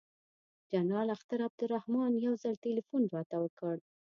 جنرال اختر عبدالرحمن یو ځل تلیفون راته وکړ.